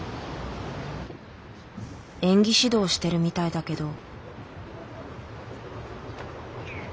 演技指導してるみたいだけど。